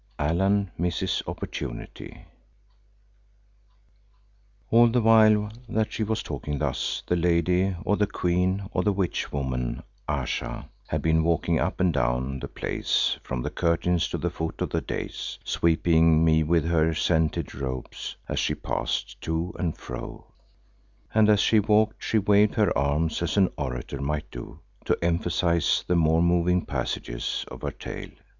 ALLAN MISSES OPPORTUNITY All the while that she was talking thus the Lady or the Queen or the Witch woman, Ayesha, had been walking up and down the place from the curtains to the foot of the dais, sweeping me with her scented robes as she passed to and fro, and as she walked she waved her arms as an orator might do to emphasise the more moving passages of her tale.